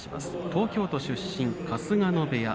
東京都出身、春日野部屋